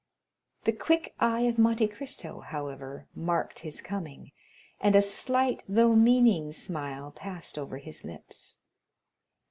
The quick eye of Monte Cristo however, marked his coming; and a slight though meaning smile passed over his lips.